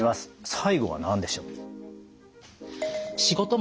最後は何でしょう？